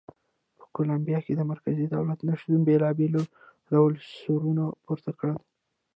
په کولمبیا کې د مرکزي دولت نه شتون بېلابېلو ډلو سرونه پورته کړل.